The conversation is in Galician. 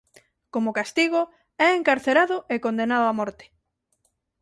Como castigo é encarcerado e condenado a morte.